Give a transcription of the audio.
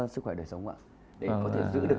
sức khỏe đời sống ạ để có thể giữ được